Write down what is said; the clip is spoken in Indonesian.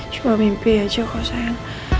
cuma mimpi aja kok sayang